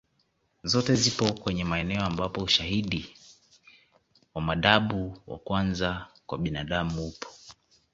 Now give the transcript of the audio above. Zote zipo kwenye maeneo ambapo ushahidi wa mababu wa kwanza kwa binadamu upo